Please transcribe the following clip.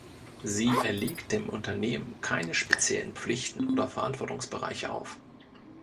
Sie erlegt dem Unternehmen keine speziellen Pflichten oder Verantwortungsbereiche auf.